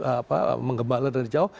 apa mengembala dari jauh